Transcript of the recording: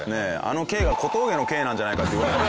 あの「Ｋ」が小峠の「Ｋ」なんじゃないかって噂も。